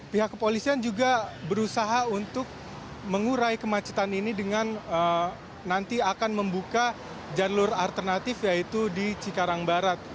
pihak kepolisian juga berusaha untuk mengurai kemacetan ini dengan nanti akan membuka jalur alternatif yaitu di cikarang barat